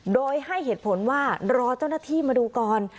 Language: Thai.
โดยให้เหตุผลว่ารอเจ้าหน้าที่มาดูก่อน